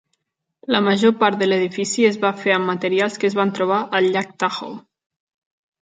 La major part de l'edifici es va fer amb materials que es van trobar al llac Tahoe.